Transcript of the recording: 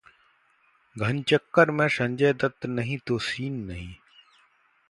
'घनचक्कर' में संजय दत्त नहीं तो सीन नहीं